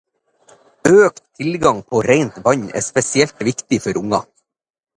Økt tilgang på rent vann er spesielt viktig for barn.